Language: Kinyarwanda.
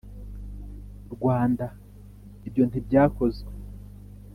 rwanda, ibyo ntibyakozwe.